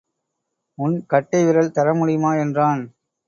உன் கட்டை விரல் தர முடியுமா? என்றான்.